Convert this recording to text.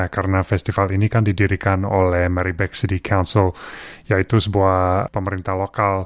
karena festival ini kan didirikan oleh marybeck city council yaitu sebuah pemerintah lokal